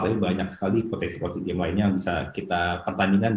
tapi banyak sekali potensi positif game lainnya yang bisa kita pertandingan di